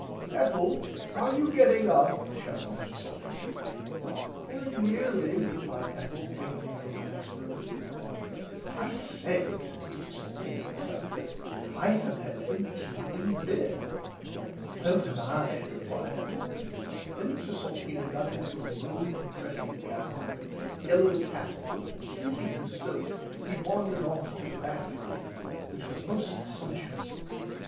Ethel are you getting up shouted Mr Salteena. Very nearly replied Ethel faintly from the next room. I say said Mr Salteena excitedly I have had some tea in bed. [Pg 42] So have I replied Ethel. Then Mr Salteena got into a mouve dressing goun with yellaw tassles and siezing his soap he wandered off to the bath room which was most sumpshous.